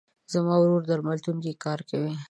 زما ورور درملتون کې کار کوي.